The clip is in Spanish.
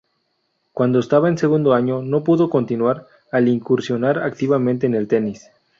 Cuando estaba en segundo año no pudo continuar, al incursionar activamente en el tenis.